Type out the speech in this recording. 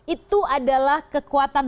itu adalah kekuatan